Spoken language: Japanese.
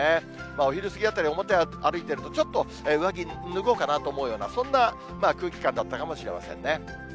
お昼過ぎあたり、表歩いてると、ちょっと上着脱ごうかなと思うような、そんな空気感だったかもしれませんね。